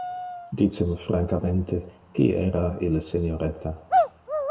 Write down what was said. Dice me francamente, qui era ille senioretta?